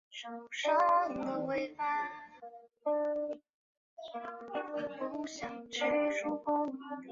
矮生多裂委陵菜为蔷薇科委陵菜属下的一个变种。